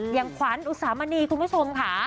อย่างขวัญอุสามณีคุณผู้ชมค่ะ